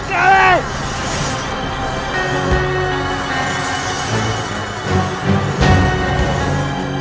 tuhan ku berhenti tuhan